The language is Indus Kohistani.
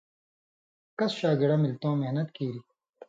کس شاگِڑہ ملیۡ تُوں محنت کیریۡ